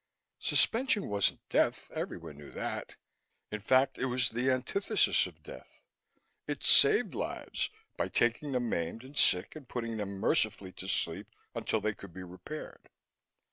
Suspension wasn't death; everyone knew that. In fact, it was the antithesis of death. It saved lives by taking the maimed and sick and putting them mercifully to sleep, until they could be repaired.